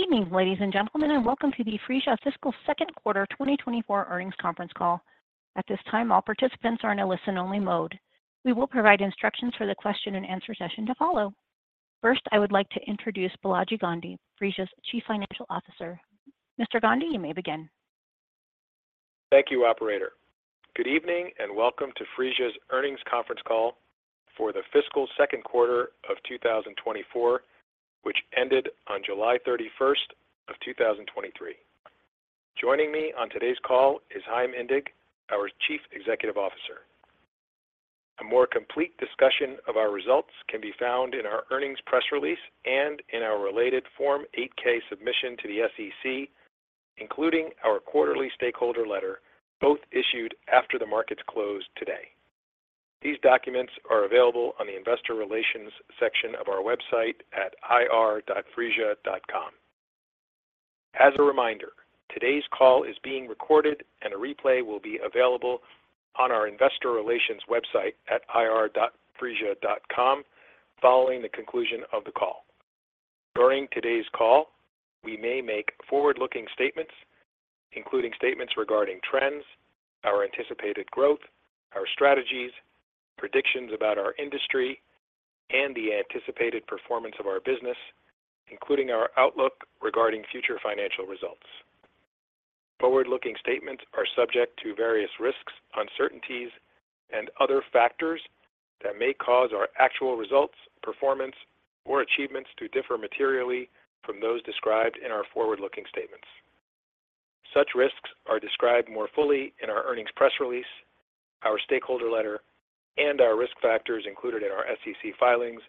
Good evening, ladies and gentlemen, and welcome to the Phreesia Fiscal Second Quarter 2024 Earnings Conference Call. At this time, all participants are in a listen-only mode. We will provide instructions for the question and answer session to follow. First, I would like to introduce Balaji Gandhi, Phreesia's Chief Financial Officer. Mr. Gandhi, you may begin. Thank you, operator. Good evening, and welcome to Phreesia's Earnings Conference Call for the fiscal second quarter of 2024, which ended on July 31, 2023. Joining me on today's call is Chaim Indig, our Chief Executive Officer. A more complete discussion of our results can be found in our earnings press release and in our related Form 8-K submission to the SEC, including our quarterly stakeholder letter, both issued after the markets closed today. These documents are available on the investor relations section of our website at ir.phreesia.com. As a reminder, today's call is being recorded, and a replay will be available on our investor relations website at ir.phreesia.com following the conclusion of the call. During today's call, we may make forward-looking statements, including statements regarding trends, our anticipated growth, our strategies, predictions about our industry, and the anticipated performance of our business, including our outlook regarding future financial results. Forward-looking statements are subject to various risks, uncertainties, and other factors that may cause our actual results, performance, or achievements to differ materially from those described in our forward-looking statements. Such risks are described more fully in our earnings press release, our stakeholder letter, and our risk factors included in our SEC filings,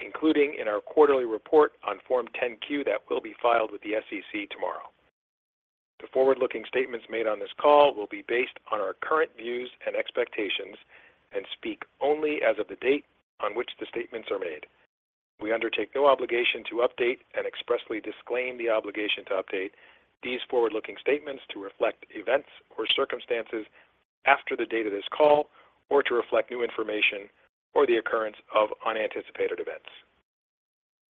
including in our quarterly report on Form 10-Q that will be filed with the SEC tomorrow. The forward-looking statements made on this call will be based on our current views and expectations and speak only as of the date on which the statements are made. We undertake no obligation to update and expressly disclaim the obligation to update these forward-looking statements to reflect events or circumstances after the date of this call, or to reflect new information or the occurrence of unanticipated events.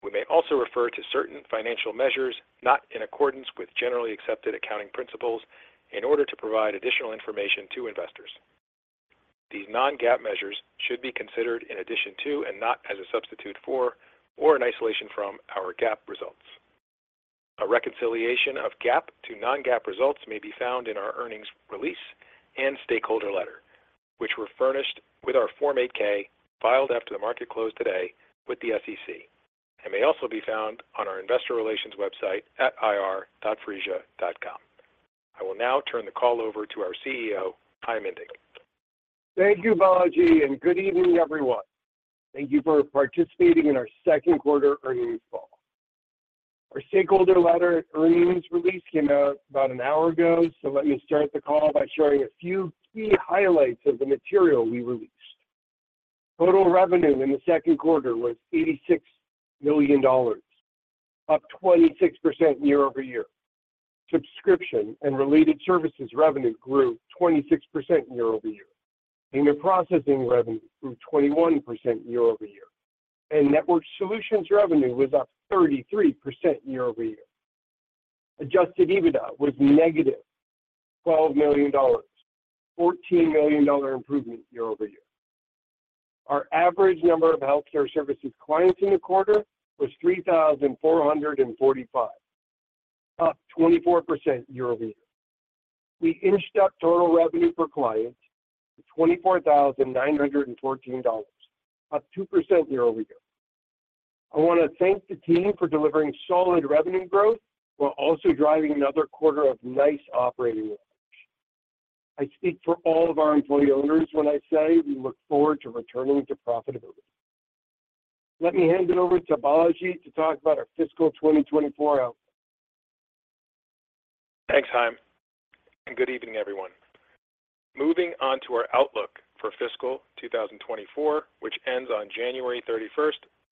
We may also refer to certain financial measures not in accordance with generally accepted accounting principles in order to provide additional information to investors. These non-GAAP measures should be considered in addition to and not as a substitute for or in isolation from our GAAP results. A reconciliation of GAAP to non-GAAP results may be found in our earnings release and stakeholder letter, which were furnished with our Form 8-K, filed after the market closed today with the SEC, and may also be found on our investor relations website at ir.phreesia.com. I will now turn the call over to our CEO, Chaim Indig. Thank you, Balaji, and good evening, everyone. Thank you for participating in our second quarter earnings call. Our stakeholder letter, earnings release came out about an hour ago, so let me start the call by sharing a few key highlights of the material we released. Total revenue in the second quarter was $86 million, up 26% year-over-year. Subscription and related services revenue grew 26% year-over-year. Data processing revenue grew 21% year-over-year, and network solutions revenue was up 33% year-over-year. Adjusted EBITDA was -$12 million, $14 million improvement year-over-year. Our average number of healthcare services clients in the quarter was 3,445, up 24% year-over-year. We inched up total revenue per client to $24,914, up 2% year-over-year. I want to thank the team for delivering solid revenue growth while also driving another quarter of nice operating leverage. I speak for all of our employee owners when I say we look forward to returning to profitability. Let me hand it over to Balaji to talk about our fiscal 2024 outlook. Thanks, Chaim, and good evening, everyone. Moving on to our outlook for fiscal 2024, which ends on January 31,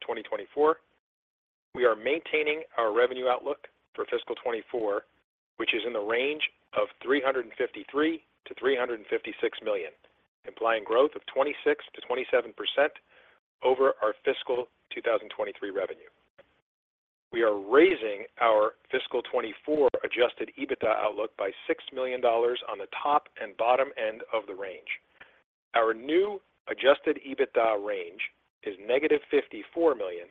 2024, we are maintaining our revenue outlook for fiscal 2024, which is in the range of $353 million-$356 million, implying growth of 26%-27% over our fiscal 2023 revenue. We are raising our fiscal 2024 adjusted EBITDA outlook by $6 million on the top and bottom end of the range. Our new adjusted EBITDA range is -$54 million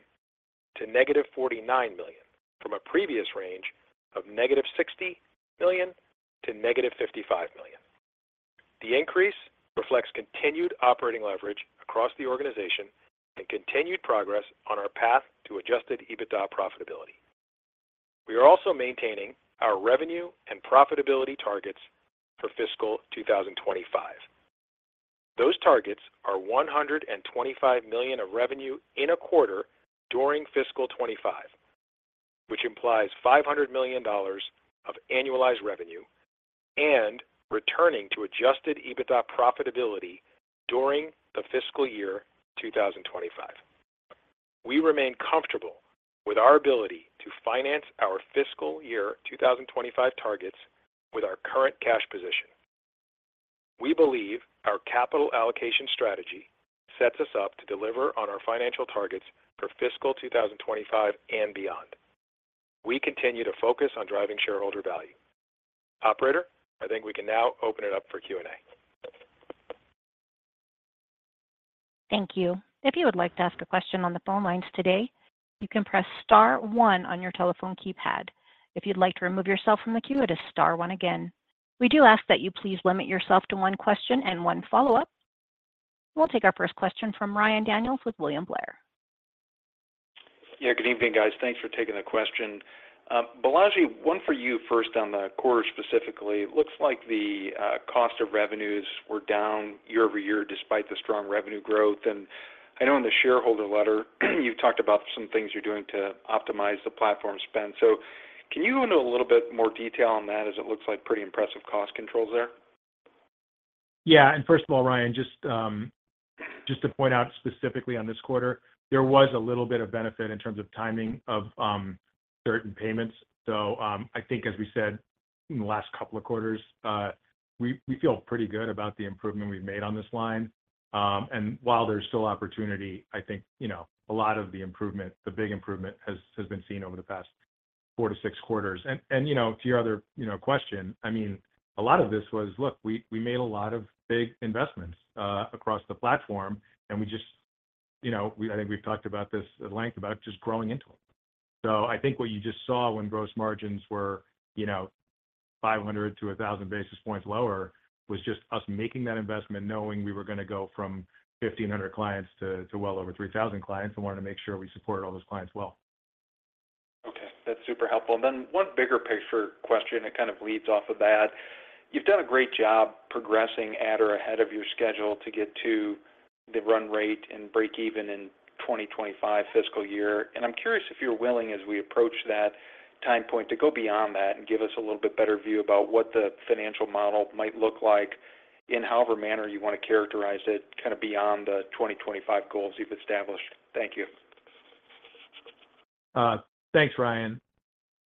to -$49 million, from a previous range of -$60 million to -$55 million. The increase reflects continued operating leverage across the organization and continued progress on our path to adjusted EBITDA profitability. We are also maintaining our revenue and profitability targets for fiscal 2025. Those targets are $125 million of revenue in a quarter during fiscal 2025, which implies $500 million of annualized revenue and returning to Adjusted EBITDA profitability during the fiscal year 2025. We remain comfortable with our ability to finance our fiscal year 2025 targets with our current cash position. We believe our capital allocation strategy sets us up to deliver on our financial targets for fiscal 2025 and beyond. We continue to focus on driving shareholder value. Operator, I think we can now open it up for Q&A. Thank you. If you would like to ask a question on the phone lines today, you can press star one on your telephone keypad. If you'd like to remove yourself from the queue, it is star one again. We do ask that you please limit yourself to one question and one follow-up. We'll take our first question from Ryan Daniels with William Blair. Yeah, good evening, guys. Thanks for taking the question. Balaji, one for you first on the quarter specifically. It looks like the cost of revenues were down year-over-year, despite the strong revenue growth. And I know in the shareholder letter, you've talked about some things you're doing to optimize the platform spend. So can you go into a little bit more detail on that, as it looks like pretty impressive cost controls there? Yeah. And first of all, Ryan, just to point out specifically on this quarter, there was a little bit of benefit in terms of timing of certain payments. So, I think as we said in the last couple of quarters, we feel pretty good about the improvement we've made on this line. And while there's still opportunity, I think, you know, a lot of the improvement, the big improvement has been seen over the past 4-6 quarters. And, you know, to your other question, I mean, a lot of this was, look, we made a lot of big investments across the platform, and we just. You know, we- I think we've talked about this at length, about just growing into it. So I think what you just saw when gross margins were, you know, 500-1,000 basis points lower, was just us making that investment, knowing we were gonna go from 1,500 clients to, to well over 3,000 clients, and wanted to make sure we supported all those clients well. Okay, that's super helpful. And then one bigger picture question that kind of leads off of that: You've done a great job progressing at or ahead of your schedule to get to the run rate and break even in 2025 fiscal year. And I'm curious if you're willing, as we approach that time point, to go beyond that and give us a little bit better view about what the financial model might look like in however manner you want to characterize it, kind of beyond the 2025 goals you've established. Thank you. Thanks, Ryan.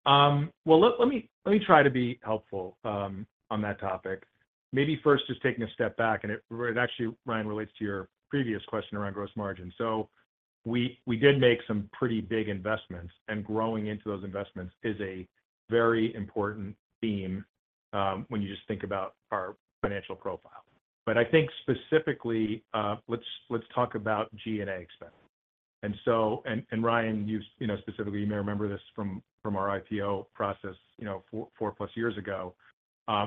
Well, let me try to be helpful on that topic. Maybe first, just taking a step back, and it actually, Ryan, relates to your previous question around gross margin. So we did make some pretty big investments, and growing into those investments is a very important theme when you just think about our financial profile. But I think specifically, let's talk about G&A expense. And so, Ryan, you know, specifically, you may remember this from our IPO process, you know, four-plus years ago,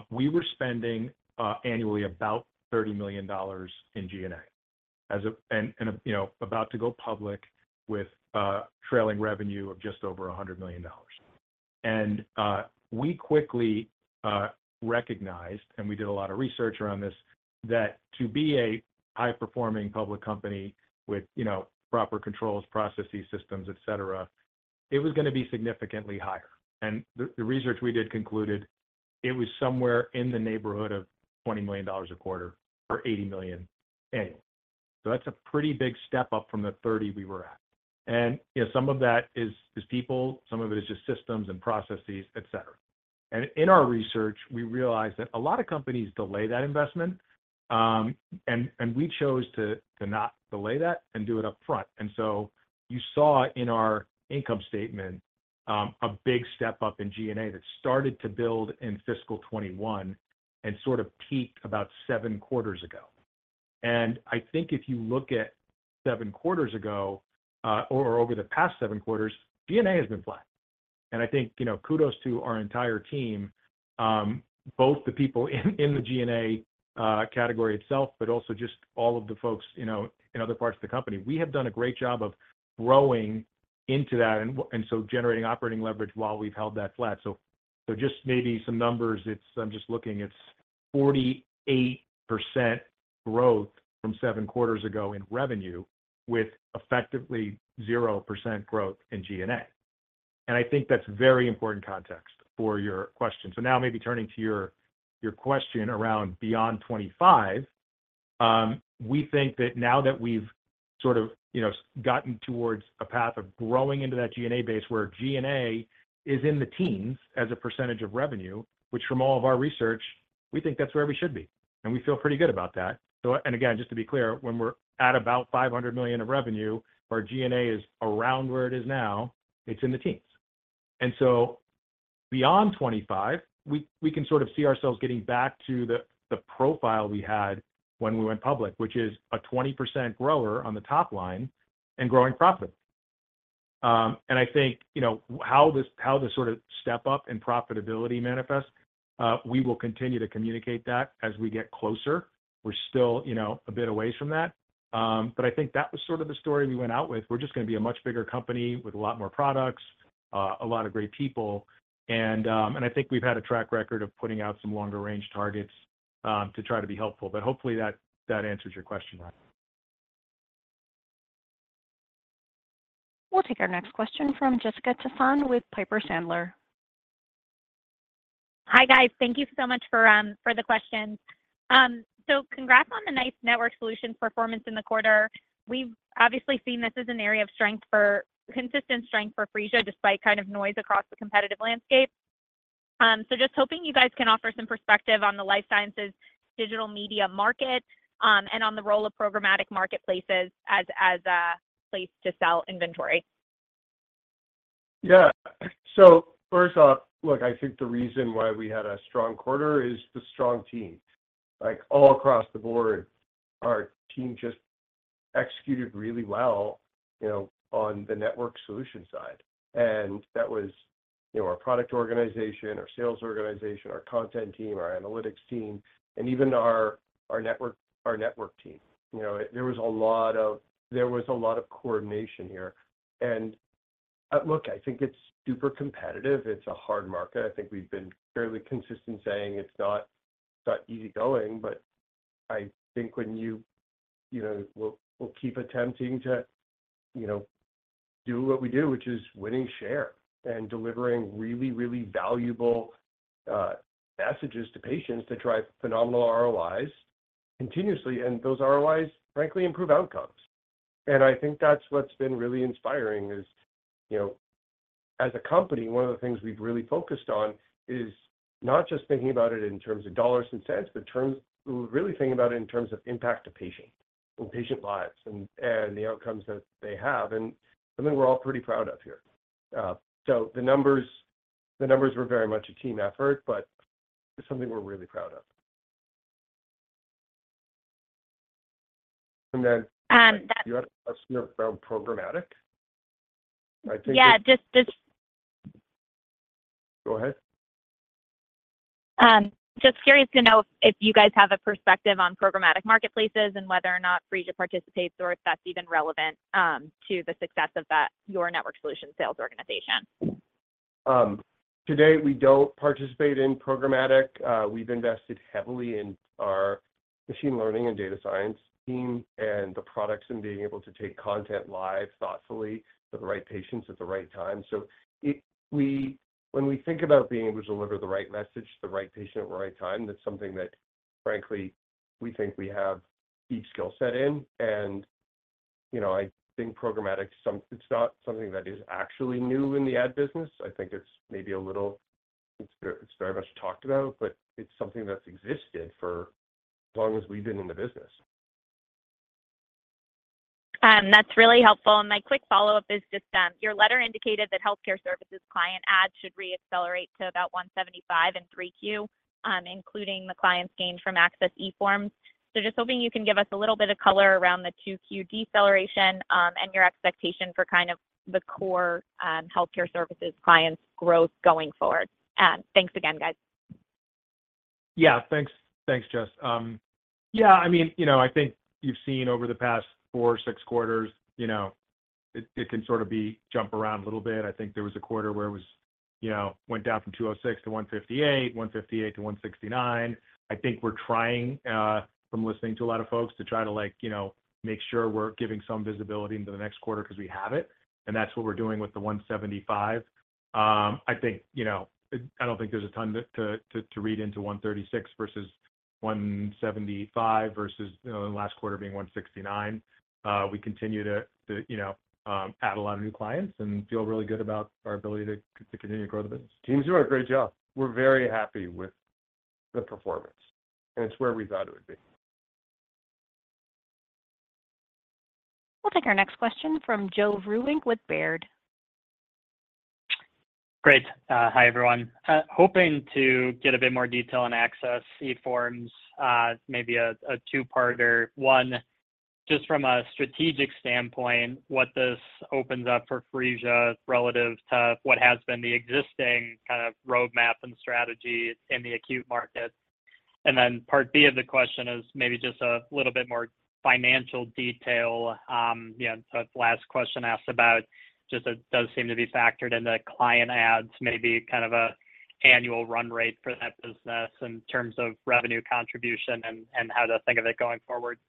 we were spending annually about $30 million in G&A as a... And you know, about to go public with trailing revenue of just over $100 million. And we quickly recognized, and we did a lot of research around this, that to be a high-performing public company with, you know, proper controls, processes, systems, et cetera, it was gonna be significantly higher. And the research we did concluded it was somewhere in the neighborhood of $20 million a quarter, or $80 million annual. So that's a pretty big step up from the 30 we were at. And, you know, some of that is people, some of it is just systems and processes, et cetera. And in our research, we realized that a lot of companies delay that investment, and we chose to not delay that and do it upfront. You saw in our income statement a big step up in G&A that started to build in fiscal 2021 and sort of peaked about seven quarters ago. I think if you look at seven quarters ago or over the past seven quarters, G&A has been flat. I think, you know, kudos to our entire team, both the people in the G&A category itself, but also just all of the folks, you know, in other parts of the company. We have done a great job of growing into that and so generating operating leverage while we've held that flat. So just maybe some numbers, it's 48% growth from seven quarters ago in revenue, with effectively 0% growth in G&A. I think that's very important context for your question. So now maybe turning to your, your question around beyond 25. We think that now that we've sort of, you know, gotten towards a path of growing into that G&A base, where G&A is in the teens% of revenue, which from all of our research, we think that's where we should be, and we feel pretty good about that. And again, just to be clear, when we're at about $500 million of revenue, our G&A is around where it is now, it's in the teens%. And so beyond 25, we can sort of see ourselves getting back to the profile we had when we went public, which is a 20% grower on the top line and growing profit. I think, you know, how this, how this sort of step up in profitability manifests, we will continue to communicate that as we get closer. We're still, you know, a bit away from that. I think that was sort of the story we went out with. We're just gonna be a much bigger company with a lot more products, a lot of great people, and, and I think we've had a track record of putting out some longer-range targets, to try to be helpful. Hopefully that, that answers your question, Ryan. We'll take our next question from Jessica Tassan with Piper Sandler. Hi, guys. Thank you so much for the questions. So congrats on the nice network solution performance in the quarter. We've obviously seen this as an area of consistent strength for Phreesia, despite kind of noise across the competitive landscape. So just hoping you guys can offer some perspective on the life sciences digital media market, and on the role of programmatic marketplaces as, as a place to sell inventory. Yeah. So first off, look, I think the reason why we had a strong quarter is the strong team. Like, all across the board, our team just executed really well, you know, on the network solution side. And that was, you know, our product organization, our sales organization, our content team, our analytics team, and even our network team. You know, there was a lot of coordination here. And, look, I think it's super competitive. It's a hard market. I think we've been fairly consistent saying it's not that easygoing, but I think, you know, we'll keep attempting to, you know, do what we do, which is winning share and delivering really, really valuable messages to patients to drive phenomenal ROIs continuously, and those ROIs, frankly, improve outcomes. I think that's what's been really inspiring, you know, as a company, one of the things we've really focused on is not just thinking about it in terms of dollars and cents, but we're really thinking about it in terms of impact to patient, on patient lives and the outcomes that they have, and something we're all pretty proud of here. So the numbers, the numbers were very much a team effort, but it's something we're really proud of. And then- that- You had a question about programmatic? I think- Yeah, just- Go ahead. Just curious to know if you guys have a perspective on programmatic marketplaces and whether or not Phreesia participates or if that's even relevant to the success of that, your network solution sales organization. Today, we don't participate in programmatic. We've invested heavily in our machine learning and data science team and the products and being able to take content live thoughtfully to the right patients at the right time. So when we think about being able to deliver the right message to the right patient at the right time, that's something that, frankly, we think we have deep skill set in. And, you know, I think programmatic, it's not something that is actually new in the ad business. I think it's maybe a little... It's very, it's very much talked about, but it's something that's existed for as long as we've been in the business. That's really helpful. My quick follow-up is just your letter indicated that healthcare services client adds should reaccelerate to about 175 in 3Q, including the clients gained from Access eForms. So just hoping you can give us a little bit of color around the 2Q deceleration, and your expectation for kind of the core healthcare services clients growth going forward. Thanks again, guys. Yeah, thanks. Thanks, Jess. Yeah, I mean, you know, I think you've seen over the past 4, 6 quarters, you know, it, it can sort of be jump around a little bit. I think there was a quarter where it was, you know, went down from 206 to 158, 158 to 169. I think we're trying, from listening to a lot of folks, to try to, like, you know, make sure we're giving some visibility into the next quarter because we have it, and that's what we're doing with the 175. I think, you know, I don't think there's a ton to, to, to read into 136 versus 175 versus, you know, the last quarter being 169. We continue to, you know, add a lot of new clients and feel really good about our ability to continue to grow the business. Teams are doing a great job. We're very happy with the performance, and it's where we thought it would be. We'll take our next question from Joe Vruwink with Baird. Great. Hi, everyone. Hoping to get a bit more detail on Access eForms, maybe a two-parter. One, just from a strategic standpoint, what this opens up for Phreesia relative to what has been the existing kind of roadmap and strategy in the acute market? And then part B of the question is maybe just a little bit more financial detail. You know, so the last question asked about just that does seem to be factored in the client adds, maybe kind of an annual run rate for that business in terms of revenue contribution and how to think of it going forward.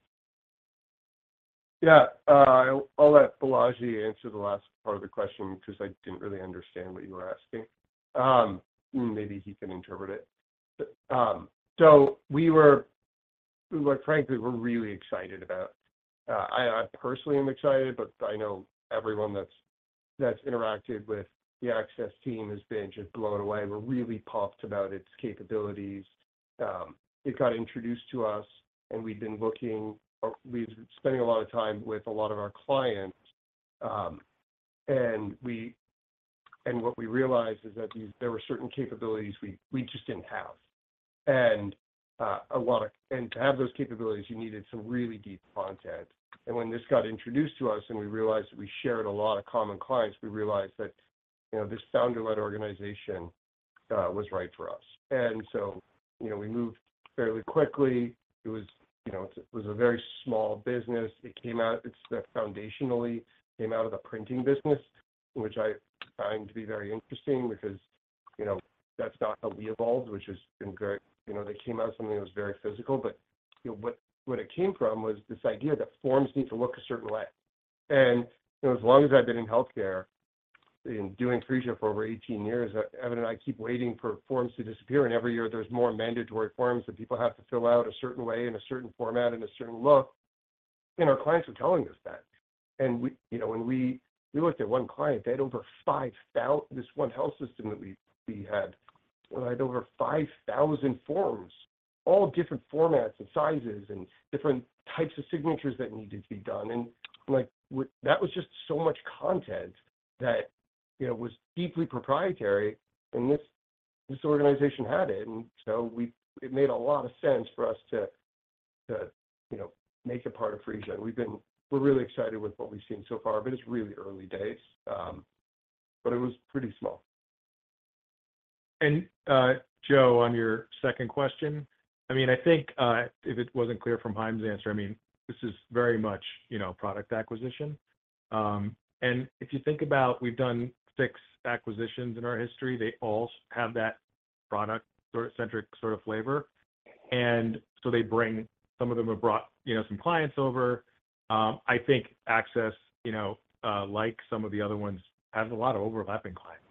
Yeah, I'll let Balaji answer the last part of the question because I didn't really understand what you were asking. Maybe he can interpret it. But, so we were frankly, we're really excited about. I personally am excited, but I know everyone that's interacted with the Access team has been just blown away. We're really puffed about its capabilities. It got introduced to us, and we've been looking, or we've been spending a lot of time with a lot of our clients. And what we realized is that there were certain capabilities we just didn't have. And to have those capabilities, you needed some really deep content. And when this got introduced to us and we realized that we shared a lot of common clients, we realized that, you know, this founder-led organization was right for us. And so, you know, we moved fairly quickly. It was, you know, it was a very small business. It foundationally came out of the printing business, which I find to be very interesting because, you know, that's not how we evolved, which has been great. You know, they came out with something that was very physical, but, you know, what it came from was this idea that forms need to look a certain way. You know, as long as I've been in healthcare, in doing Phreesia for over 18 years, Evan and I keep waiting for forms to disappear, and every year there's more mandatory forms that people have to fill out a certain way, in a certain format, in a certain look.... and our clients are telling us that. And we, you know, when we looked at one client, they had over 5,000—this one health system that we had had over 5,000 forms, all different formats and sizes, and different types of signatures that needed to be done. And, like, that was just so much content that, you know, was deeply proprietary, and this organization had it. And so it made a lot of sense for us to, you know, make it part of Phreesia. We're really excited with what we've seen so far, but it's really early days. But it was pretty small. And, Joe, on your second question, I mean, I think, if it wasn't clear from Chaim's answer, I mean, this is very much, you know, product acquisition. And if you think about we've done six acquisitions in our history, they all have that product sort of centric sort of flavor. And so they bring... Some of them have brought, you know, some clients over. I think Access, you know, like some of the other ones, has a lot of overlapping clients,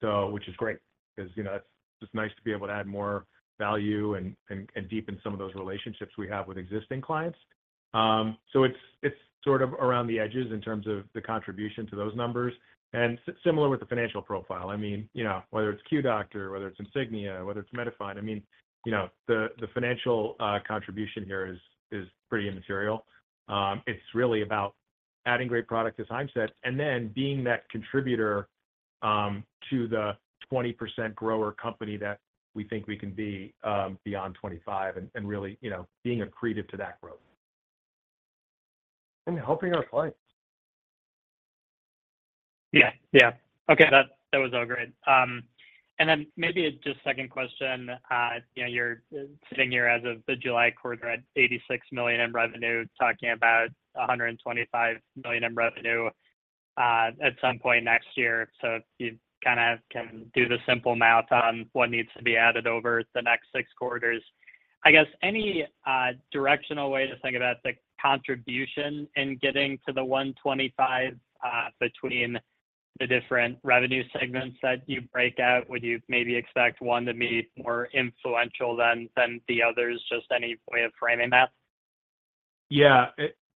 so which is great, because, you know, it's just nice to be able to add more value and, and, and deepen some of those relationships we have with existing clients. So it's, it's sort of around the edges in terms of the contribution to those numbers. And similar with the financial profile. I mean, you know, whether it's QueueDr, whether it's Insignia, whether it's MediFind, I mean, you know, the, the financial, contribution here is, is pretty immaterial. It's really about adding great product, as Chaim said, and then being that contributor to the 20% grower company that we think we can be, beyond 25, and, and really, you know, being accretive to that growth and helping our clients. Yeah. Yeah. Okay, that, that was all great. And then maybe just second question, you know, you're sitting here as of the July quarter at $86 million in revenue, talking about $125 million in revenue at some point next year. So you kinda can do the simple math on what needs to be added over the next six quarters. I guess, any directional way to think about the contribution in getting to the $125, between the different revenue segments that you break out? Would you maybe expect one to be more influential than the others? Just any way of framing that? Yeah.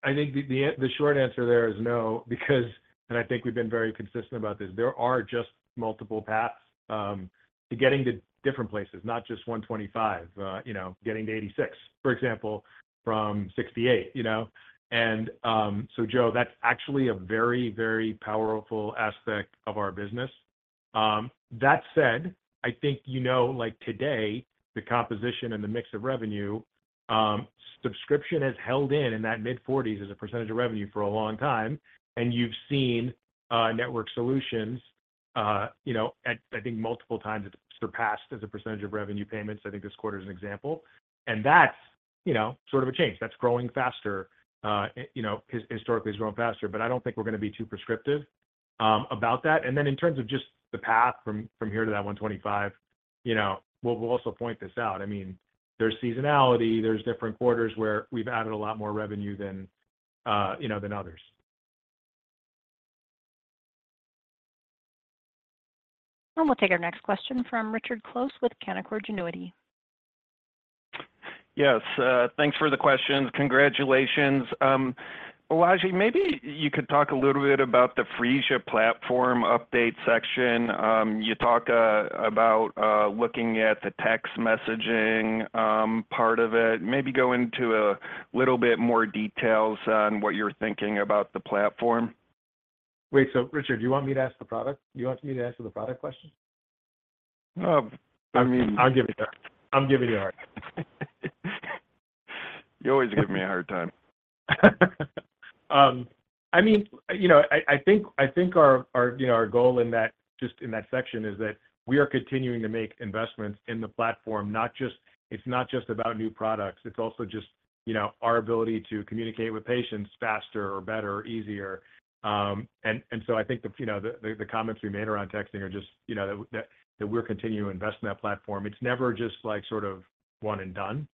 I think the short answer there is no, because I think we've been very consistent about this. There are just multiple paths to getting to different places, not just 125, you know, getting to 86, for example, from 68, you know? So Joe, that's actually a very, very powerful aspect of our business. That said, I think, you know, like today, the composition and the mix of revenue, subscription has held in that mid-40s% of revenue for a long time. And you've seen network solutions, you know, at I think multiple times. It's surpassed as a percentage of revenue payments. I think this quarter is an example, and that's, you know, sort of a change. That's growing faster, you know, historically, it's grown faster, but I don't think we're gonna be too prescriptive about that. And then in terms of just the path from here to that 125, you know, we'll also point this out. I mean, there's seasonality, there's different quarters where we've added a lot more revenue than, you know, than others. We'll take our next question from Richard Close with Canaccord Genuity. Yes, thanks for the questions. Congratulations. Well, actually, maybe you could talk a little bit about the Phreesia platform update section. You talk about looking at the text messaging part of it. Maybe go into a little bit more details on what you're thinking about the platform. Wait, so Richard, do you want me to ask the product - do you want me to answer the product question? I mean- I'll give it to you. I'm giving you a hard time. You always give me a hard time. I mean, you know, I think our goal in that, just in that section, is that we are continuing to make investments in the platform, not just—it's not just about new products, it's also just, you know, our ability to communicate with patients faster or better or easier. And so I think the comments we made around texting are just, you know, that we're continuing to invest in that platform. It's never just, like, sort of one and done.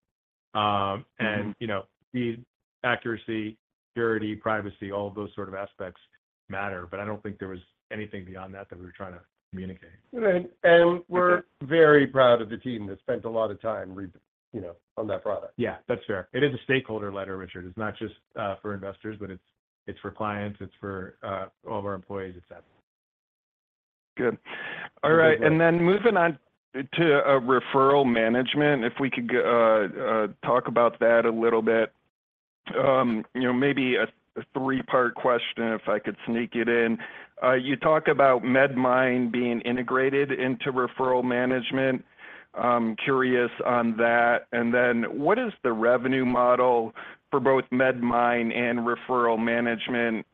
Mm-hmm... and, you know, the accuracy, security, privacy, all of those sort of aspects matter, but I don't think there was anything beyond that, that we were trying to communicate. Right. Okay. We're very proud of the team that spent a lot of time reading, you know, on that product. Yeah, that's fair. It is a stakeholder letter, Richard. It's not just for investors, but it's, it's for clients, it's for all of our employees, et cetera. Good. Okay. All right, and then moving on to referral management, if we could talk about that a little bit. You know, maybe a three-part question, if I could sneak it in. You talked about MediFind being integrated into referral management. I'm curious on that, and then what is the revenue model for both MediFind and referral management?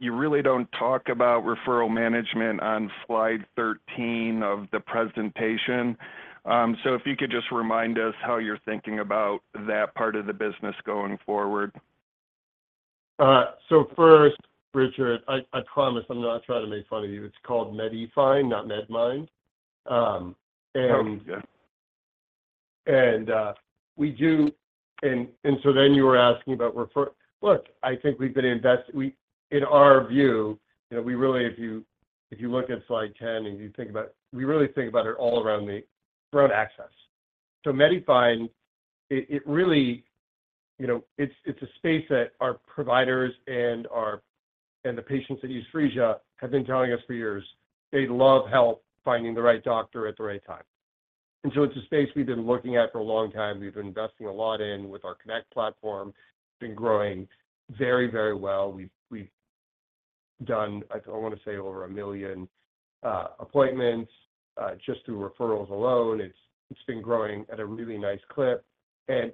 You really don't talk about referral management on slide 13 of the presentation. So if you could just remind us how you're thinking about that part of the business going forward. So first, Richard, I promise I'm not trying to make fun of you. It's called MediFind, not MedMind. And- Oh, yeah... and we do, and so then you were asking about refer- Look, I think we've been investing—we—in our view, you know, we really, if you, if you look at slide 10, and you think about... We really think about it all around the, around access.... So MediFind, it really, you know, it's a space that our providers and the patients that use Phreesia have been telling us for years, they'd love help finding the right doctor at the right time. And so it's a space we've been looking at for a long time. We've been investing a lot in with our Connect platform. It's been growing very, very well. We've done, I wanna say, over 1 million appointments just through referrals alone. It's been growing at a really nice clip, and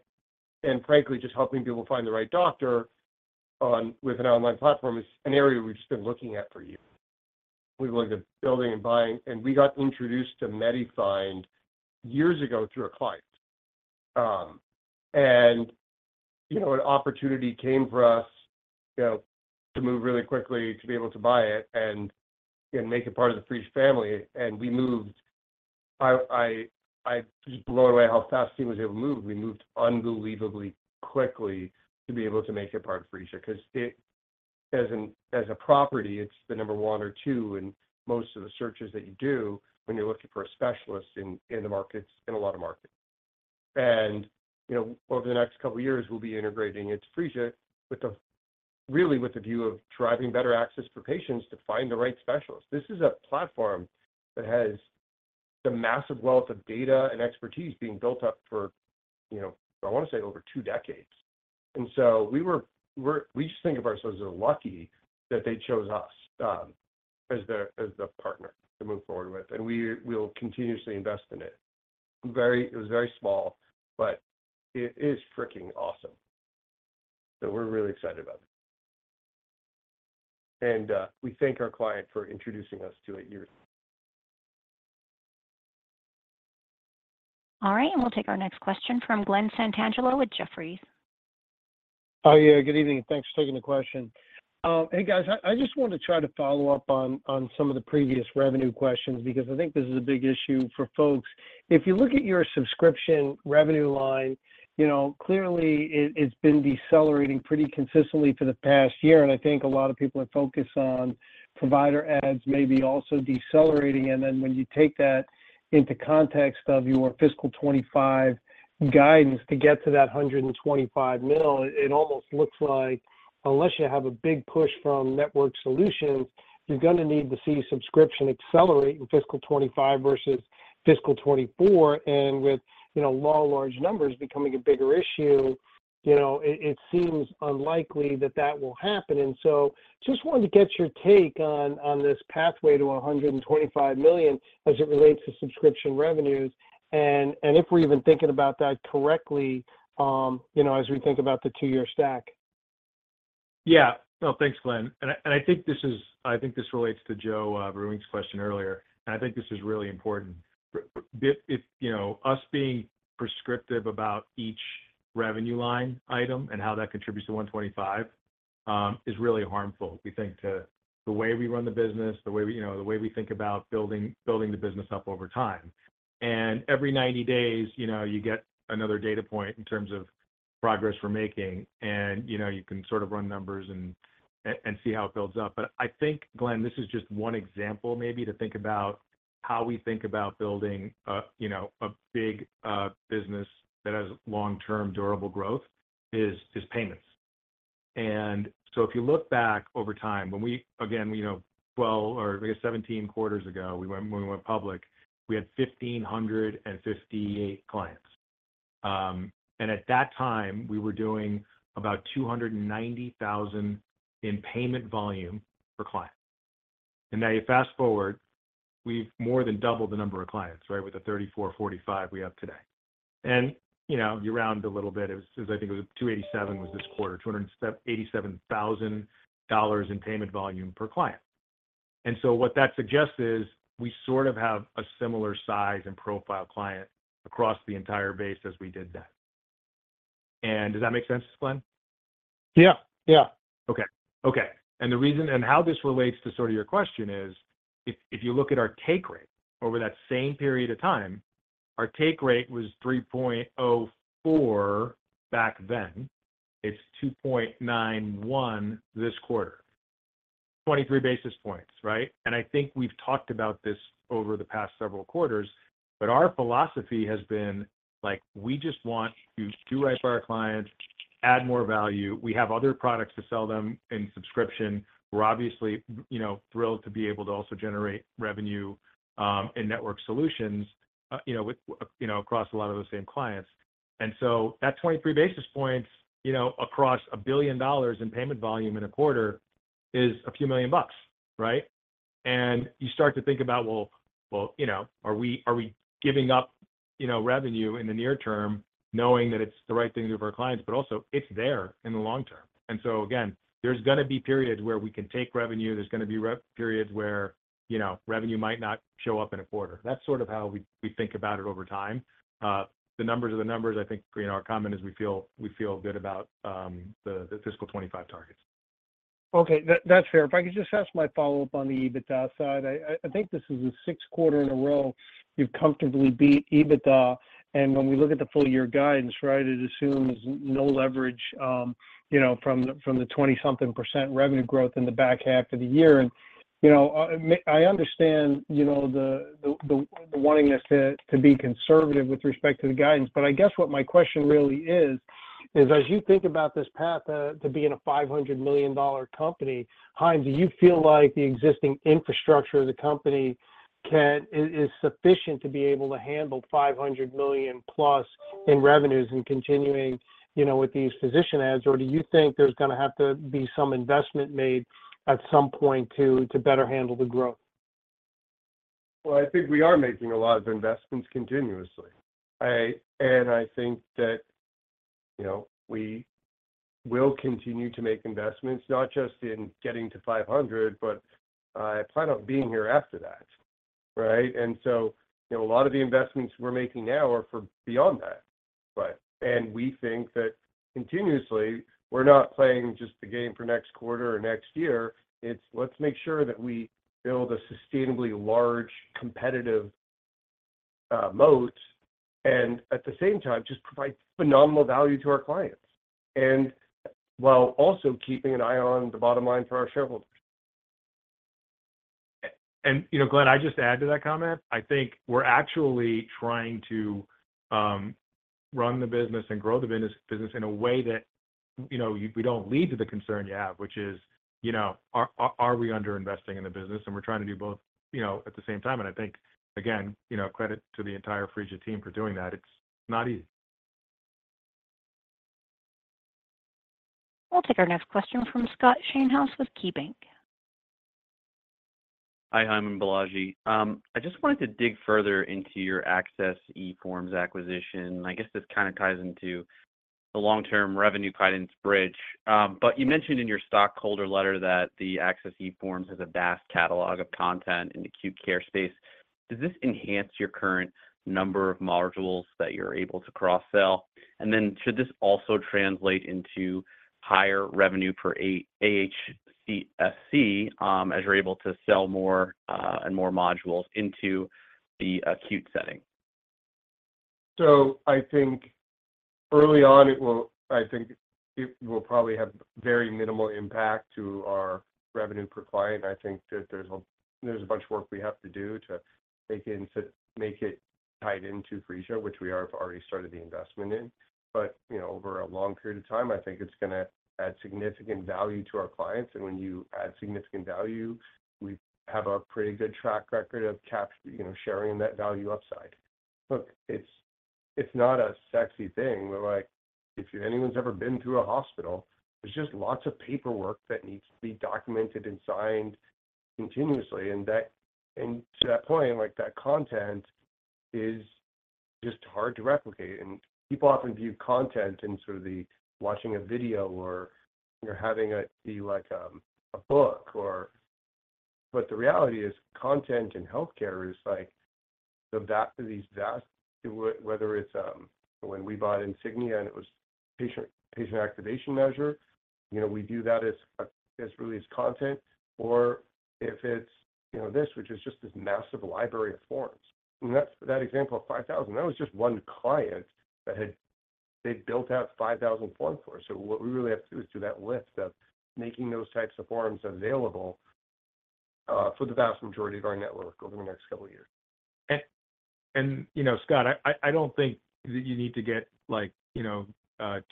frankly, just helping people find the right doctor with an online platform is an area we've just been looking at for years. We've looked at building and buying, and we got introduced to MediFind years ago through a client. And, you know, an opportunity came for us, you know, to move really quickly to be able to buy it and make it part of the Phreesia family, and we moved. I'm just blown away how fast the team was able to move. We moved unbelievably quickly to be able to make it part of Phreesia 'cause it, as a property, it's the number one or two in most of the searches that you do when you're looking for a specialist in the markets, in a lot of markets. You know, over the next couple of years, we'll be integrating into Phreesia with the... really with the view of driving better access for patients to find the right specialist. This is a platform that has the massive wealth of data and expertise being built up for, you know, I wanna say, over two decades. And so we just think of ourselves as lucky that they chose us as the partner to move forward with, and we will continuously invest in it. It was very small, but it is freaking awesome. So we're really excited about it. We thank our client for introducing us to it years ago. All right, and we'll take our next question from Glenn Santangelo with Jefferies. Oh, yeah, good evening, and thanks for taking the question. Hey, guys, I just want to try to follow up on some of the previous revenue questions because I think this is a big issue for folks. If you look at your subscription revenue line, you know, clearly it's been decelerating pretty consistently for the past year, and I think a lot of people are focused on provider adds may be also decelerating. And then when you take that into context of your fiscal 2025 guidance to get to that $125 million, it almost looks like unless you have a big push from network solutions, you're gonna need to see subscription accelerate in fiscal 2025 versus fiscal 2024. And with you know, law of large numbers becoming a bigger issue, you know, it seems unlikely that that will happen. And so just wanted to get your take on this pathway to $125 million as it relates to subscription revenues and if we're even thinking about that correctly, you know, as we think about the two-year stack. Yeah. Well, thanks, Glenn. And I think this is—I think this is really important. But if, you know, us being prescriptive about each revenue line item and how that contributes to $125 is really harmful, we think, to the way we run the business, the way we, you know, the way we think about building the business up over time. And every 90 days, you know, you get another data point in terms of progress we're making, and, you know, you can sort of run numbers and and see how it builds up. But I think, Glenn, this is just one example maybe to think about how we think about building a, you know, a big business that has long-term durable growth is payments. And so if you look back over time, when we again, you know, 12 or I guess 17 quarters ago, we went public, we had 1,558 clients. And at that time, we were doing about $290,000 in payment volume per client. And now you fast-forward, we've more than doubled the number of clients, right, with the 3,445 we have today. And, you know, you round a little bit, it was, I think it was 287 was this quarter, $287,000 in payment volume per client. And so what that suggests is, we sort of have a similar size and profile client across the entire base as we did then. And does that make sense, Glenn? Yeah. Yeah. Okay. Okay, and the reason and how this relates to sort of your question is, if, if you look at our take rate over that same period of time, our take rate was 3.04 back then. It's 2.91 this quarter. 23 basis points, right? And I think we've talked about this over the past several quarters, but our philosophy has been like, we just want to do right by our clients, add more value. We have other products to sell them in subscription. We're obviously, you know, thrilled to be able to also generate revenue in network solutions, you know, with, you know, across a lot of the same clients. And so that 23 basis points, you know, across $1 billion in payment volume in a quarter is $ a few million bucks, right? And you start to think about, well, you know, are we giving up, you know, revenue in the near term, knowing that it's the right thing to do for our clients, but also it's there in the long term? And so again, there's gonna be periods where we can take revenue. There's gonna be periods where, you know, revenue might not show up in a quarter. That's sort of how we think about it over time. The numbers are the numbers. I think, you know, our comment is we feel good about the fiscal 2025 targets. Okay, that's fair. If I could just ask my follow-up on the EBITDA side. I think this is the sixth quarter in a row you've comfortably beat EBITDA, and when we look at the full year guidance, right, it assumes no leverage, you know, from the 20-something% revenue growth in the back half of the year. And, you know, I understand the wantingness to be conservative with respect to the guidance, but I guess what my question really is-... is as you think about this path to being a $500 million company, Chaim, do you feel like the existing infrastructure of the company can is sufficient to be able to handle $500 million plus in revenues and continuing, you know, with these physician adds? Or do you think there's gonna have to be some investment made at some point to better handle the growth? Well, I think we are making a lot of investments continuously. I think that, you know, we will continue to make investments, not just in getting to 500, but I plan on being here after that, right? And so, you know, a lot of the investments we're making now are for beyond that. But and we think that continuously, we're not playing just the game for next quarter or next year. It's let's make sure that we build a sustainably large, competitive moat, and at the same time, just provide phenomenal value to our clients, and while also keeping an eye on the bottom line for our shareholders. And, you know, Glenn, I just add to that comment. I think we're actually trying to run the business and grow the business in a way that, you know, we don't lead to the concern you have, which is, you know, are we under-investing in the business? And we're trying to do both, you know, at the same time. And I think, again, you know, credit to the entire Phreesia team for doing that. It's not easy. We'll take our next question from Scott Schoenhouse with KeyBank. Hi, Chaim and Balaji. I just wanted to dig further into your Access eForms acquisition. I guess this kind of ties into the long-term revenue guidance bridge. But you mentioned in your stockholder letter that the Access eForms has a vast catalog of content in the acute care space. Does this enhance your current number of modules that you're able to cross-sell? And then should this also translate into higher revenue per AHCSC, as you're able to sell more and more modules into the acute setting? I think it will probably have very minimal impact to our revenue per client. I think that there's a bunch of work we have to do to make it tied into Phreesia, which we have already started the investment in. But, you know, over a long period of time, I think it's gonna add significant value to our clients. And when you add significant value, we have a pretty good track record of capture, you know, sharing that value upside. Look, it's not a sexy thing, but like, if anyone's ever been to a hospital, there's just lots of paperwork that needs to be documented and signed continuously. And to that point, like, that content is just hard to replicate. People often view content in sort of the watching a video or you're having a, be like, a book or... But the reality is, content in healthcare is like the vast, is vast. Whether it's, when we bought Insignia and it was Patient Activation Measure, you know, we view that as, as really as content, or if it's, you know, this, which is just this massive library of forms. And that's that example of 5,000, that was just one client that had they'd built out 5,000 forms for us. So what we really have to do is do that lift of making those types of forms available, for the vast majority of our network over the next couple of years. And you know, Scott, I don't think that you need to get, like, you know,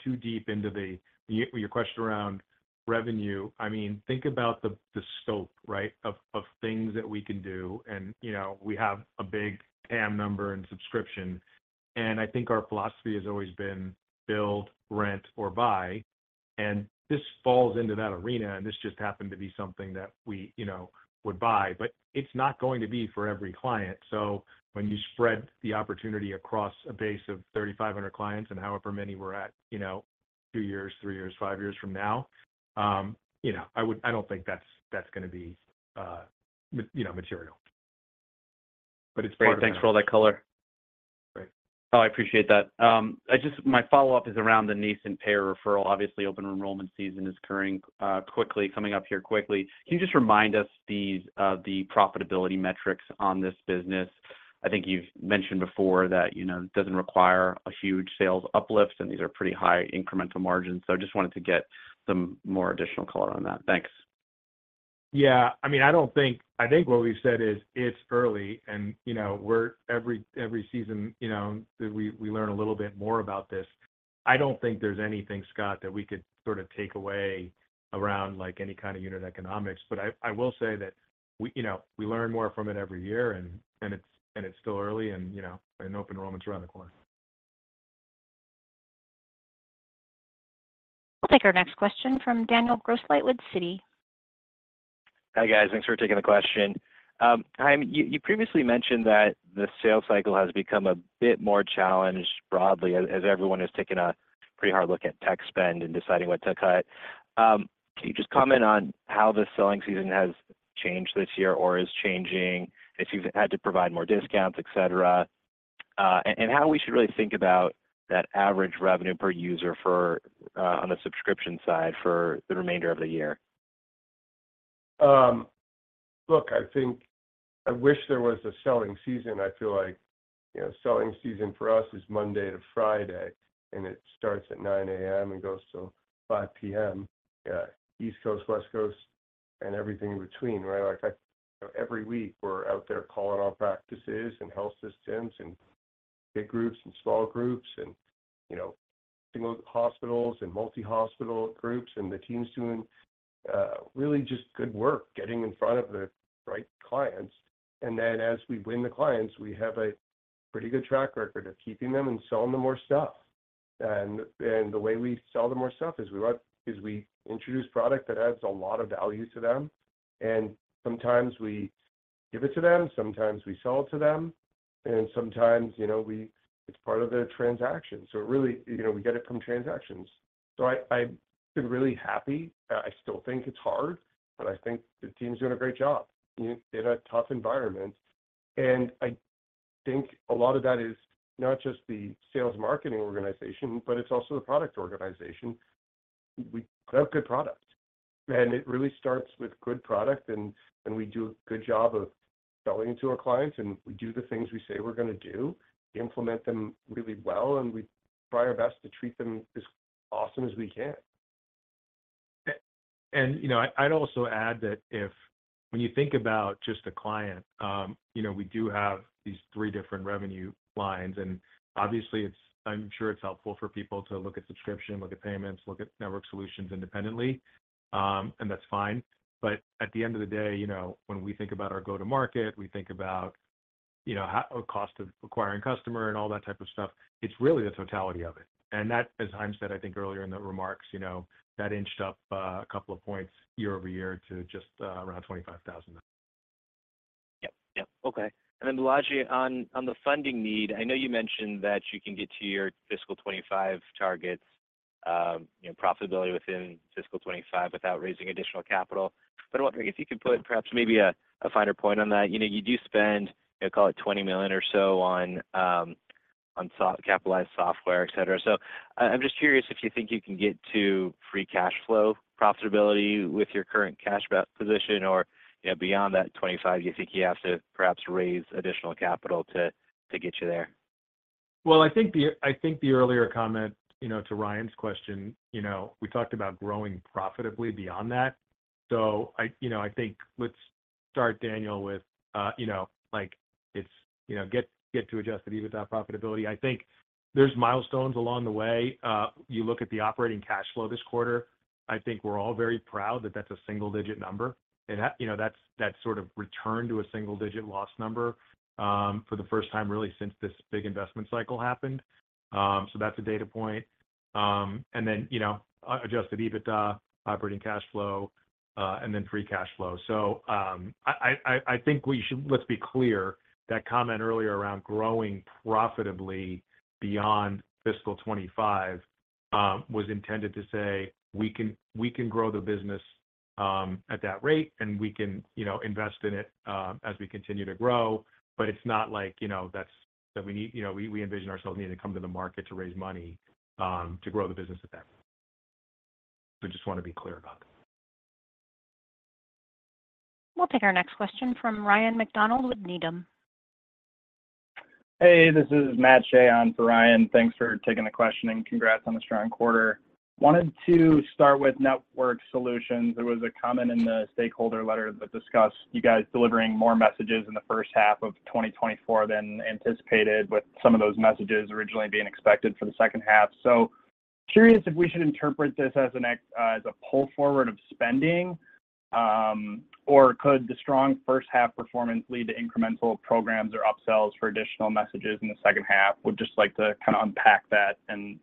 too deep into your question around revenue. I mean, think about the scope, right, of things that we can do. And you know, we have a big TAM number and subscription, and I think our philosophy has always been build, rent, or buy, and this falls into that arena, and this just happened to be something that we, you know, would buy. But it's not going to be for every client. So when you spread the opportunity across a base of 3,500 clients and however many we're at, you know, two years, three years, five years from now, I don't think that's gonna be material. But it's part of- Great. Thanks for all that color. Great. Oh, I appreciate that. I just... My follow-up is around the nascent payer referral. Obviously, open enrollment season is occurring quickly, coming up here quickly. Can you just remind us the profitability metrics on this business? I think you've mentioned before that, you know, it doesn't require a huge sales uplifts, and these are pretty high incremental margins. So I just wanted to get some more additional color on that. Thanks. Yeah, I mean, I don't think, I think what we've said is, it's early and, you know, we're every, every season, you know, that we, we learn a little bit more about this. I don't think there's anything, Scott, that we could sort of take away around, like, any kind of unit economics. But I, I will say that we, you know, we learn more from it every year, and, and it's, and it's still early and, you know, and open enrollment's around the corner. We'll take our next question from Daniel Grosslight with Citi. Hi, guys. Thanks for taking the question. Chaim, you previously mentioned that the sales cycle has become a bit more challenged broadly, as everyone is taking a pretty hard look at tech spend and deciding what to cut. Can you just comment on how the selling season has changed this year or is changing, if you've had to provide more discounts, et cetera, and how we should really think about that average revenue per user for, on the subscription side for the remainder of the year? Look, I think I wish there was a selling season. I feel like, you know, selling season for us is Monday to Friday, and it starts at 9 A.M. and goes till 5 P.M., East Coast, West Coast... and everything in between, right? Like, I, every week, we're out there calling on practices and health systems, and big groups and small groups and, you know, single hospitals and multi-hospital groups, and the team's doing, really just good work getting in front of the right clients. And then as we win the clients, we have a pretty good track record of keeping them and selling them more stuff. The way we sell them more stuff is we introduce product that adds a lot of value to them, and sometimes we give it to them, sometimes we sell it to them, and sometimes, you know, it's part of the transaction. So really, you know, we get it from transactions. So I've been really happy. I still think it's hard, but I think the team's doing a great job in a tough environment. And I think a lot of that is not just the sales marketing organization, but it's also the product organization. We have good products, and it really starts with good product, and we do a good job of selling to our clients, and we do the things we say we're gonna do, implement them really well, and we try our best to treat them as awesome as we can. And, you know, I, I'd also add that if when you think about just a client, you know, we do have these three different revenue lines, and obviously, it's. I'm sure it's helpful for people to look at subscription, look at payments, look at network solutions independently, and that's fine. But at the end of the day, you know, when we think about our go-to-market, we think about, you know, cost of acquiring customer and all that type of stuff, it's really the totality of it. And that, as Chaim said, I think earlier in the remarks, you know, that inched up, a couple of points year-over-year to just, around 25,000. Yep, yep. Okay. And then Balaji, on the funding need, I know you mentioned that you can get to your fiscal 2025 targets, you know, profitability within fiscal 2025 without raising additional capital. But I wonder if you could put perhaps, maybe a finer point on that. You know, you do spend, you know, call it $20 million or so on capitalized software, et cetera. So, I'm just curious if you think you can get to free cash flow profitability with your current cash position or, you know, beyond that 2025, do you think you have to perhaps raise additional capital to get you there? Well, I think the, I think the earlier comment, you know, to Ryan's question, you know, we talked about growing profitably beyond that. So I, you know, I think let's start, Daniel, with, you know, like, you know, get, get to Adjusted EBITDA profitability. I think there's milestones along the way. You look at the operating cash flow this quarter, I think we're all very proud that that's a single-digit number, and that, you know, that's, that's sort of return to a single-digit loss number, for the first time really since this big investment cycle happened. So that's a data point. And then, you know, Adjusted EBITDA, operating cash flow, and then free cash flow. So, I think we should. Let's be clear, that comment earlier around growing profitably beyond fiscal 2025 was intended to say we can, we can grow the business at that rate, and we can, you know, invest in it as we continue to grow. But it's not like, you know, that's, that we need... You know, we envision ourselves needing to come to the market to raise money to grow the business at that point. We just want to be clear about that. We'll take our next question from Ryan McDonald with Needham. Hey, this is Matt Shea on for Ryan. Thanks for taking the question, and congrats on the strong quarter. Wanted to start with Network Solutions. There was a comment in the stakeholder letter that discussed you guys delivering more messages in the first half of 2024 than anticipated, with some of those messages originally being expected for the second half. So curious if we should interpret this as a pull forward of spending, or could the strong first half performance lead to incremental programs or upsells for additional messages in the second half? Would just like to kind of unpack that and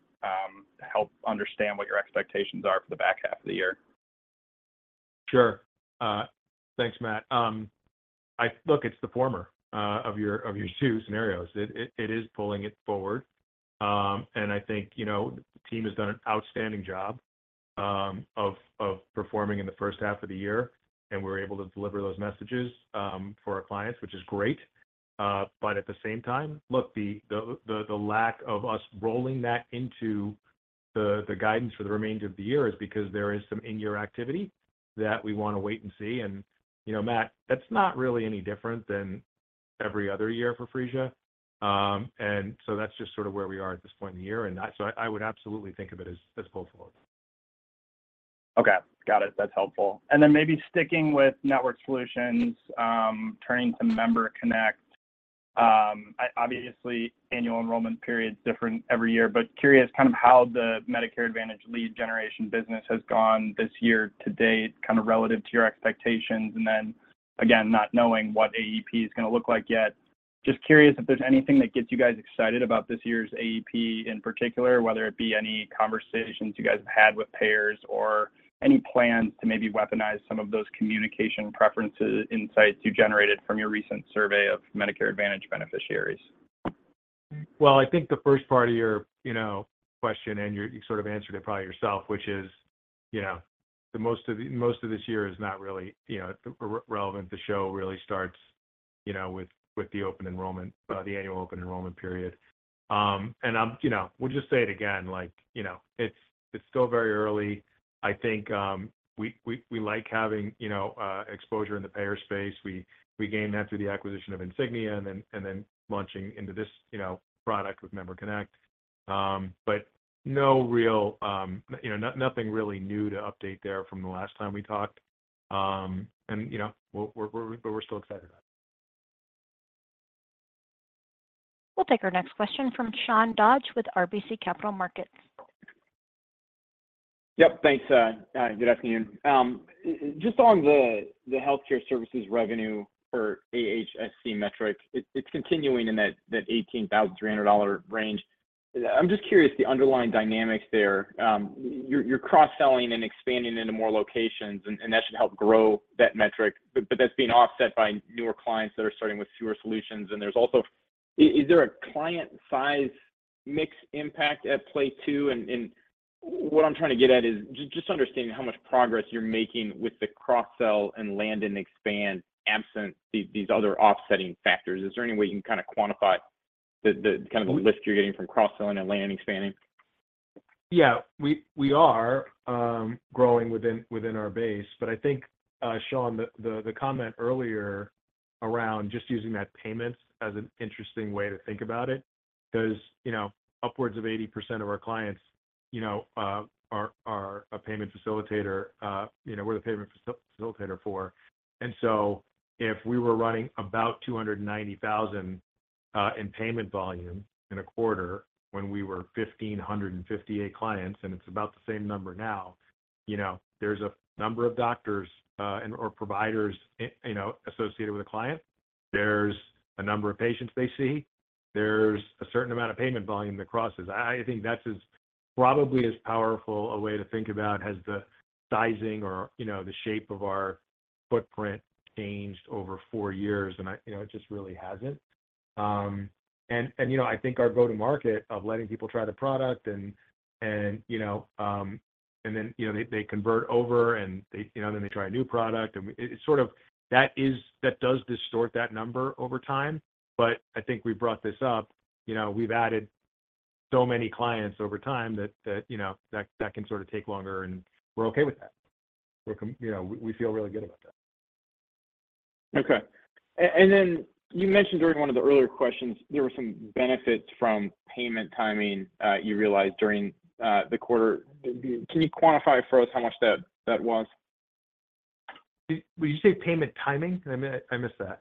help understand what your expectations are for the back half of the year. Sure. Thanks, Matt. Look, it's the former of your two scenarios. It is pulling it forward. And I think, you know, the team has done an outstanding job of performing in the first half of the year, and we're able to deliver those messages for our clients, which is great. But at the same time, look, the lack of us rolling that into the guidance for the remainder of the year is because there is some in-year activity that we wanna wait and see. And, you know, Matt, that's not really any different than every other year for Phreesia. And so that's just sort of where we are at this point in the year, and so I would absolutely think of it as pull forward. Okay, got it. That's helpful. And then maybe sticking with Network Solutions, turning to MemberConnect. Obviously, annual enrollment period's different every year, but curious kind of how the Medicare Advantage lead generation business has gone this year to date, kind of relative to your expectations. And then, again, not knowing what AEP is gonna look like yet, just curious if there's anything that gets you guys excited about this year's AEP in particular, whether it be any conversations you guys have had with payers or any plans to maybe weaponize some of those communication preferences insights you generated from your recent survey of Medicare Advantage beneficiaries. Well, I think the first part of your, you know, question, and you, you sort of answered it probably yourself, which is, you know, the most of the, most of this year is not really, you know, relevant. The show really starts, you know, with the open enrollment, the annual open enrollment period. And you know, we'll just say it again, like, you know, it's, it's still very early. I think, we like having, you know, exposure in the payer space. We gained that through the acquisition of Insignia and then launching into this, you know, product with MemberConnect. But no real, you know, nothing really new to update there from the last time we talked. And, you know, we're still excited about it. We'll take our next question from Sean Dodge with RBC Capital Markets. Yep, thanks, good afternoon. Just on the healthcare services revenue per AHSC metric, it's continuing in that $18,300 range. I'm just curious, the underlying dynamics there, you're cross-selling and expanding into more locations, and that should help grow that metric. But that's being offset by newer clients that are starting with fewer solutions, and there's also, is there a client size mix impact at play, too? And what I'm trying to get at is just understanding how much progress you're making with the cross-sell and land and expand, absent these other offsetting factors. Is there any way you can kind of quantify the kind of a lift you're getting from cross-selling and land and expanding? Yeah. We are growing within our base, but I think, Sean, the comment earlier around just using that payments as an interesting way to think about it. 'Cause, you know, upwards of 80% of our clients, you know, are a Payment Facilitator, you know, we're the Payment Facilitator for. And so if we were running about $290,000 in payment volume in a quarter when we were 1,558 clients, and it's about the same number now, you know, there's a number of doctors and/or providers, you know, associated with a client. There's a number of patients they see. There's a certain amount of payment volume that crosses. I think that's as probably as powerful a way to think about as the sizing or, you know, the shape of our footprint changed over four years, and I, you know, it just really hasn't. And, you know, I think our go-to-market of letting people try the product and, you know, and then, you know, they convert over, and they, you know, then they try a new product, and it sort of... That is- that does distort that number over time, but I think we brought this up. You know, we've added so many clients over time that, you know, that can sort of take longer, and we're okay with that. We're com- you know, we feel really good about that. Okay. And then you mentioned during one of the earlier questions, there were some benefits from payment timing you realized during the quarter. Can you quantify for us how much that was? When you say payment timing? I missed that.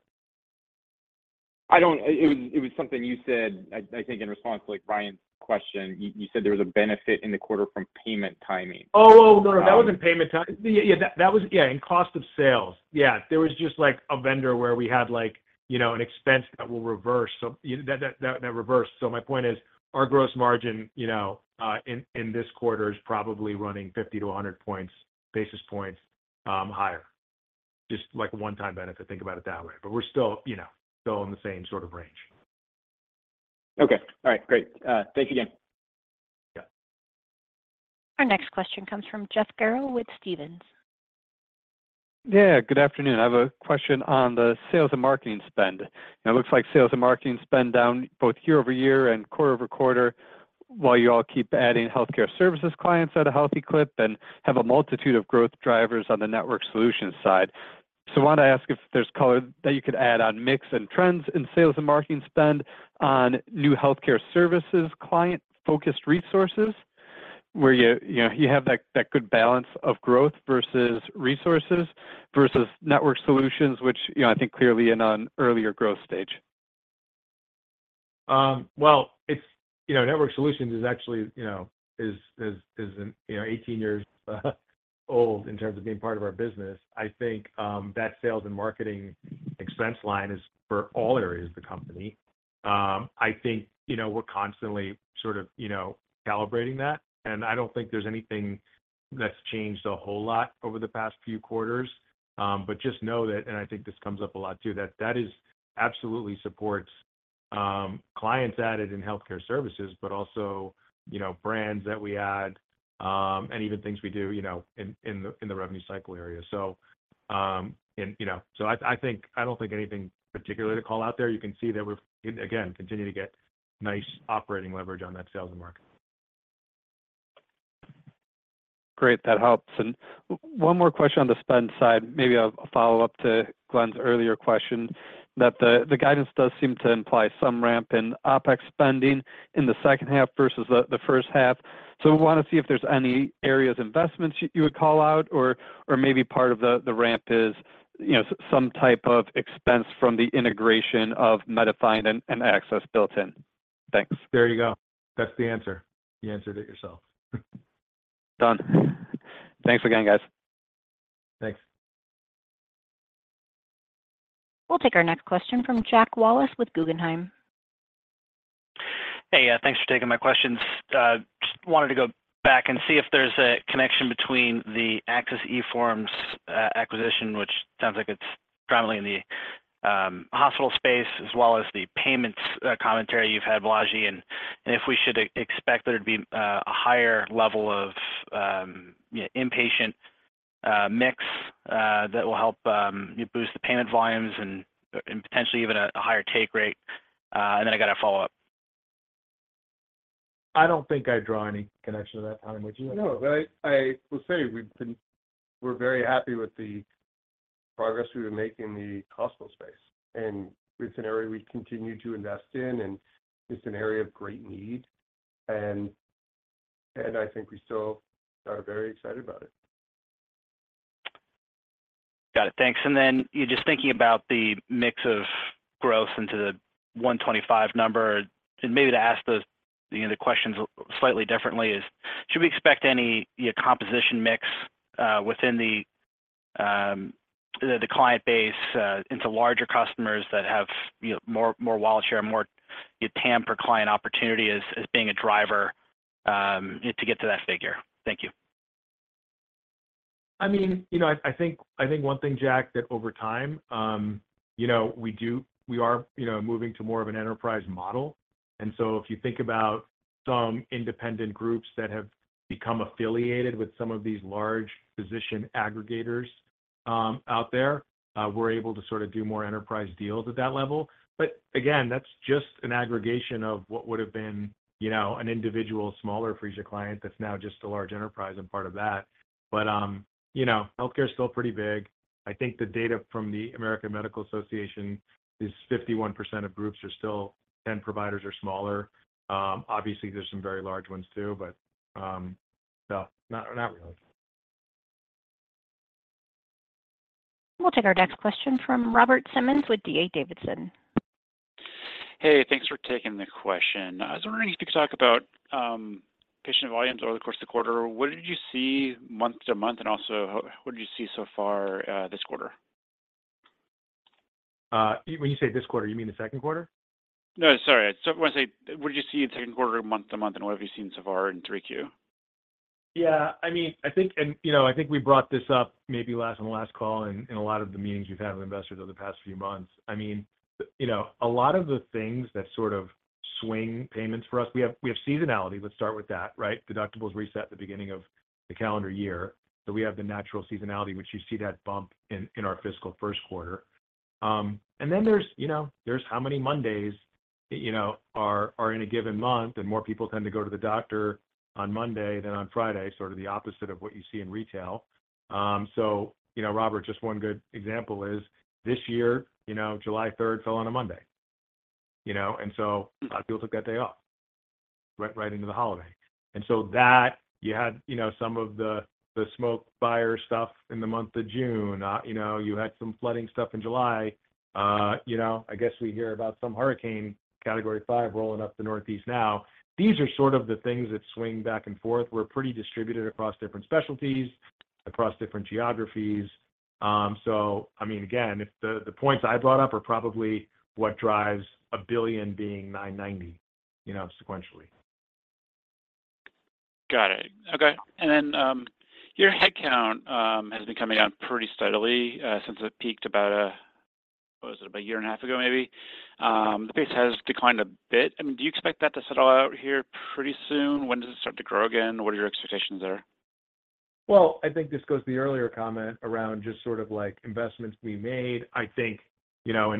It was something you said, I think in response to, like, Ryan's question. You said there was a benefit in the quarter from payment timing. Oh, no, that wasn't payment timing. Yeah, that was in cost of sales. Yeah, there was just, like, a vendor where we had, like, you know, an expense that will reverse, so that reversed. So my point is, our gross margin, you know, in this quarter is probably running 50-100 basis points higher. Just like a one-time benefit, think about it that way. But we're still, you know, still in the same sort of range. Okay. All right, great. Thank you again. Yeah. Our next question comes from Jeff Garro with Stephens. Yeah, good afternoon. I have a question on the sales and marketing spend. It looks like sales and marketing spend down both year-over-year and quarter-over-quarter, while you all keep adding healthcare services clients at a healthy clip and have a multitude of growth drivers on the network solutions side. So I wanted to ask if there's color that you could add on mix and trends in sales and marketing spend on new healthcare services, client-focused resources, where you know you have that good balance of growth versus resources versus network solutions, which, you know, I think clearly in an earlier growth stage. Well, it's, you know, network solutions is actually, you know, is 18 years old in terms of being part of our business. I think that sales and marketing expense line is for all areas of the company. I think, you know, we're constantly sort of, you know, calibrating that, and I don't think there's anything that's changed a whole lot over the past few quarters. But just know that, and I think this comes up a lot, too, that that is absolutely supports clients added in healthcare services, but also, you know, brands that we add, and even things we do, you know, in the revenue cycle area. So, and, you know, so I think- I don't think anything particularly to call out there. You can see that we're, again, continue to get nice operating leverage on that sales and marketing. Great, that helps. One more question on the spend side, maybe a follow-up to Glenn's earlier question, that the guidance does seem to imply some ramp in OpEx spending in the second half versus the first half. So we want to see if there's any areas investments you would call out, or maybe part of the ramp is, you know, some type of expense from the integration of MediFind and Access eForms. Thanks. There you go. That's the answer. You answered it yourself. Done. Thanks again, guys. Thanks. We'll take our next question from Jack Wallace with Guggenheim. Hey, thanks for taking my questions. Just wanted to go back and see if there's a connection between the Access eForms acquisition, which sounds like it's primarily in the hospital space, as well as the payments commentary you've had, Balaji, and if we should expect there to be a higher level of inpatient mix that will help you boost the payment volumes and potentially even a higher take rate. And then I got a follow-up. I don't think I'd draw any connection to that, Alan, would you? No, but I will say we've been, we're very happy with the-... progress we were making in the hospital space, and it's an area we continue to invest in, and it's an area of great need. And, and I think we still are very excited about it. Got it. Thanks. And then you're just thinking about the mix of growth into the $125 number, and maybe to ask the, you know, the questions slightly differently, is should we expect any, you know, composition mix, within the client base, into larger customers that have, you know, more wallet share, more TAM per client opportunity as being a driver, to get to that figure? Thank you. I mean, you know, I think one thing, Jack, that over time, you know, we are, you know, moving to more of an enterprise model. And so if you think about some independent groups that have become affiliated with some of these large physician aggregators, out there, we're able to sort of do more enterprise deals at that level. But again, that's just an aggregation of what would've been, you know, an individual, smaller Phreesia client that's now just a large enterprise and part of that. But, you know, healthcare is still pretty big. I think the data from the American Medical Association is 51% of groups are still 10 providers or smaller. Obviously, there's some very large ones, too, but, no, not really. We'll take our next question from Robert Simmons with D.A. Davidson. Hey, thanks for taking the question. I was wondering if you could talk about patient volumes over the course of the quarter. What did you see month to month, and also, what did you see so far this quarter? When you say this quarter, you mean the second quarter? No, sorry. So when I say, what did you see in second quarter, month-to-month, and what have you seen so far in 3Q? Yeah, I mean, I think, you know, I think we brought this up maybe last, on the last call and in a lot of the meetings we've had with investors over the past few months. I mean, you know, a lot of the things that sort of swing payments for us, we have seasonality. Let's start with that, right? Deductibles reset at the beginning of the calendar year, so we have the natural seasonality, which you see that bump in our fiscal first quarter. And then there's, you know, how many Mondays, you know, are in a given month, and more people tend to go to the doctor on Monday than on Friday, sort of the opposite of what you see in retail. So, you know, Robert, just one good example is this year, you know, July third fell on a Monday, you know, and so a lot of people took that day off, right into the holiday. And so that you had, you know, some of the smoke, fire stuff in the month of June. You know, you had some flooding stuff in July. You know, I guess we hear about some hurricane category five rolling up the Northeast now. These are sort of the things that swing back and forth. We're pretty distributed across different specialties, across different geographies. So I mean, again, if the points I brought up are probably what drives $1 billion being $990 million, you know, sequentially. Got it. Okay. And then, your headcount has been coming down pretty steadily, since it peaked about what was it? About a year and a half ago, maybe. The pace has declined a bit. I mean, do you expect that to settle out here pretty soon? When does it start to grow again? What are your expectations there? Well, I think this goes to the earlier comment around just sort of like investments we made. I think, you know,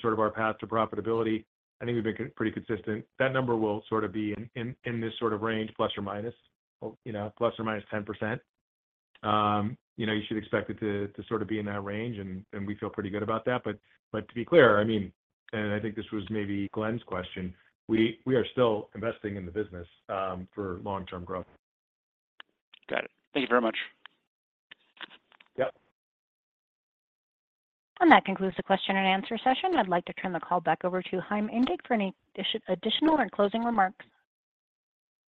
sort of our path to profitability, I think we've been pretty consistent. That number will sort of be in this sort of range, plus or minus, you know, plus or minus 10%. You know, you should expect it to sort of be in that range, and we feel pretty good about that. But to be clear, I mean, and I think this was maybe Glenn's question, we are still investing in the business, for long-term growth. Got it. Thank you very much. Yep. That concludes the question and answer session. I'd like to turn the call back over to Chaim Indig for any additional or closing remarks.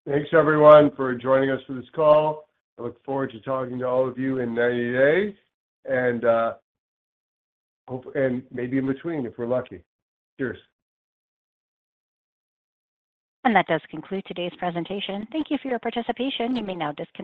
Thanks, everyone, for joining us for this call. I look forward to talking to all of you in 90 days, and hope and maybe in between, if we're lucky. Cheers! That does conclude today's presentation. Thank you for your participation. You may now disconnect.